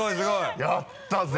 やったぜ。